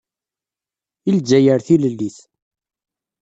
I Lezzayer tilellit.